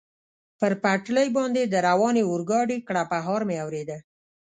پر پټلۍ باندې د روانې اورګاډي کړپهار مې اورېده.